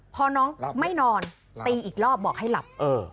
พอน้องไม่นอนตีอีกรอบบอกให้หลับ